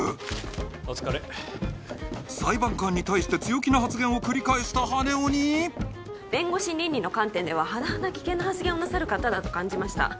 お疲れ裁判官に対して強気な発言を繰り返した羽男に弁護士倫理の観点では甚だ危険な発言をなさる方だと感じました